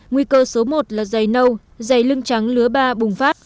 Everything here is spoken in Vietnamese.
nguy cơ số một là dày nâu dày lưng trắng lứa ba bùng phát